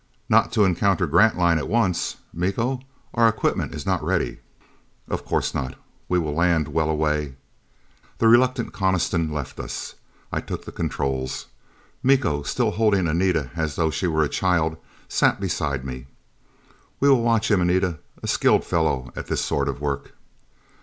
Not to encounter Grantline at once, Miko? Our equipment is not ready." "Of course not. We will land well away " The reluctant Coniston left us. I took the controls. Miko, still holding Anita as though she were a child, sat beside me. "We will watch him, Anita. A skilled fellow at this sort of work."